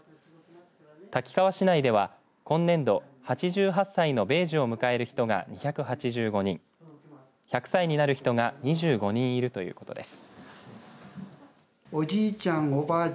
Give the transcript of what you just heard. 滝川市内では今年度、８８歳の米寿を迎える人が２８５人１００歳になる人が２５人いるということです。